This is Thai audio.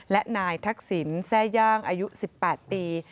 และนายทักษิณแทร่ย่างอายุ๑๘ปี